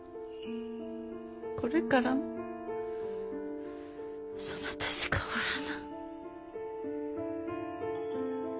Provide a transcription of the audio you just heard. これからもそなたしかおらぬ。